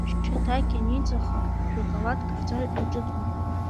Шьаҭак ианеиҵаха жәа-калаҭк аҵәа аҿыҵуан.